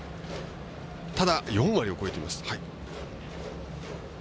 ただ、４割を超えています。